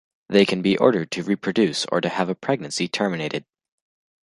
They can be ordered to reproduce or to have a pregnancy terminated.